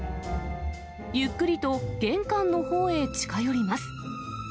ゆっくりと玄関のほうへ近寄ります。